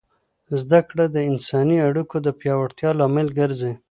زده کړه د انساني اړیکو د پیاوړتیا لامل ګرځي.